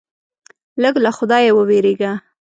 لږ له خدایه ووېرېږه.